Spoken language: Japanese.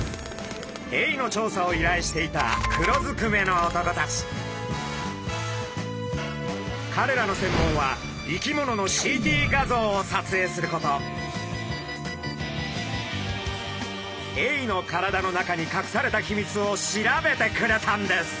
エイの調査をいらいしていたかれらの専門は生き物のエイの体の中に隠されたヒミツを調べてくれたんです！